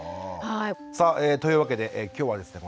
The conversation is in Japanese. さあというわけで今日はですね